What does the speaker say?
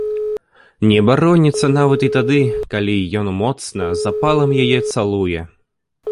Не бароніцца нават і тады, калі ён моцна, з запалам яе цалуе.